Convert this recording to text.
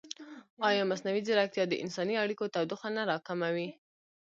ایا مصنوعي ځیرکتیا د انساني اړیکو تودوخه نه راکموي؟